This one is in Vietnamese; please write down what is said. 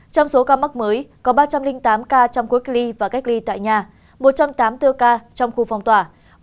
trong số ca mắc mới có ba trăm linh tám ca trong khối ghi và ghi ghi tại nhà một trăm tám mươi bốn ca trong khu phong tỏa